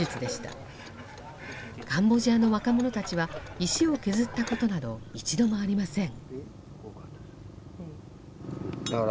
カンボジアの若者たちは石を削ったことなど一度もありません。